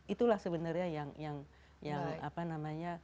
itulah sebenarnya yang